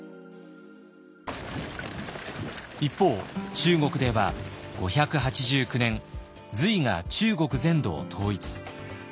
一方中国では５８９年隋が中国全土を統一。